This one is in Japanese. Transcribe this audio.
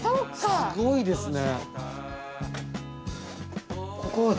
すごいですね。